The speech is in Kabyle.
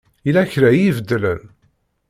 Yella kra i ibeddlen?